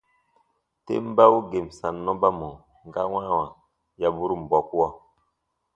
Tem bau gèn sannɔ ba mɔ̀ ga wãawa yaburun bɔkuɔ.